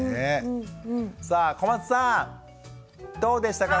さあ小松さんどうでしたか？